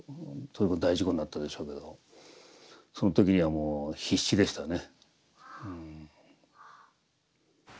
大事故になったでしょうけどその時にはもう必死でしたね。